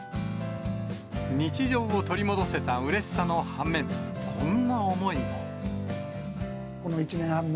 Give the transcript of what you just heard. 日常を取り戻せたうれしさの反面、こんな思いも。